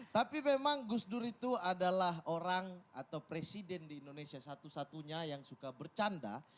tapi memang gus dur itu adalah orang atau presiden di indonesia satu satunya yang suka bercanda